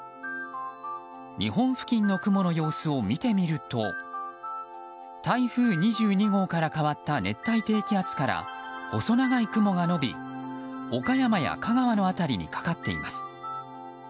日本付近の雲の様子を見てみると台風２２号から変わった熱帯低気圧から細長い雲が延び岡山や香川の辺りにかかっています。